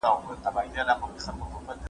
د جګړي له پیل مخکي اقتصاد مخ په وده و.